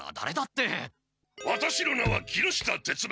ワタシの名は木下鉄丸。